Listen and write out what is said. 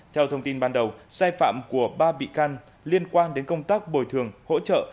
theo thông tin ban đầu sai phạm của ba bị can liên quan đến công tác bồi thường hỗ trợ